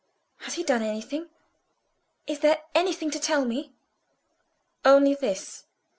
"Has he done anything? Is there anything to tell me?" "Only this.